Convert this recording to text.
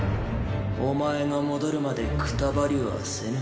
お前が戻るまでくたばりはせぬ。